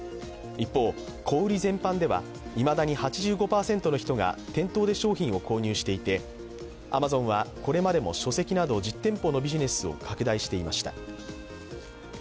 一方、小売り全般ではいまだに８５％の人が店頭で商品を購入していてアマゾンはこれまでも書籍など１０店舗のビジネスを拡大していました。